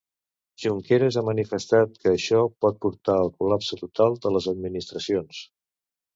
Junqueras ha manifestat que això pot portar al "col·lapse total" de les administracions.